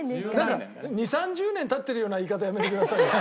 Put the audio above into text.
２０３０年経ってるような言い方やめてくださいよ。